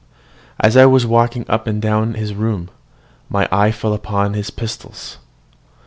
As I was walking up and down his room, my eye fell upon his pistols.